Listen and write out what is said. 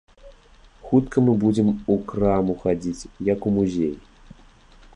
Хутка мы будзем у краму хадзіць, як у музей.